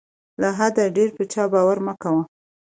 له حده ډېر په چا باور مه کوه.